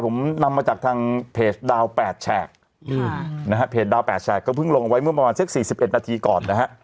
ผมนำมาจากทางเพจดาว๘แฉกนะฮะเพจดาว๘แฉกก็เพิ่งลงไว้เมื่อประมาณสัก๔๑นาทีก่อนนะฮะ